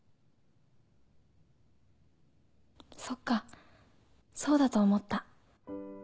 そっかそうだと思った。